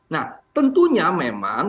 nah tentunya memang